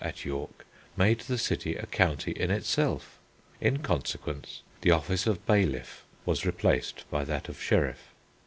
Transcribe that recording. at York, made the city a county in itself. In consequence the office of bailiff was replaced by that of sheriff.